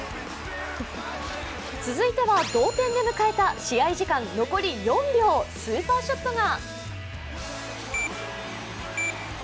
続いては、同点で迎えた試合時間残り４秒、スーパーショットが。